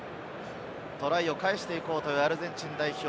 トライを返していこうというアルゼンチン代表。